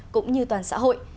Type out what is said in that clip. cũng như toàn xã hội